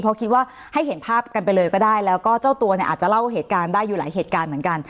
เพราะคิดว่าให้เห็นภาพกันไปเลยก็ได้แล้วก็เจ้าตัวเนี่ยอาจจะเล่าเหตุการณ์ได้อยู่หลายเหตุการณ์เหมือนกัน